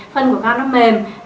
phân của con nó mềm